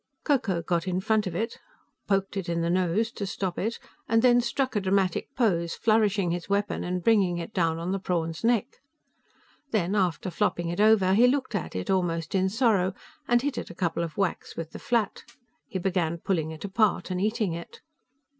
Ko Ko got in front of it, poked it on the nose to stop it and then struck a dramatic pose, flourishing his weapon and bringing it down on the prawn's neck. Then, after flopping it over, he looked at it almost in sorrow and hit it a couple of whacks with the flat. He began pulling it apart and eating it.